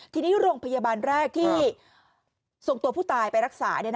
ทีนี้โรงพยาบาลแรกที่ส่งตัวผู้ตายไปรักษา